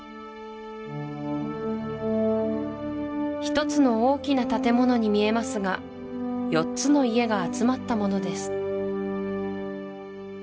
１つの大きな建物に見えますが４つの家が集まったものです